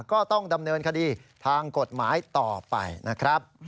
ก็ต้องดำเนินคดีทางกฎหมายต่อไปนะครับ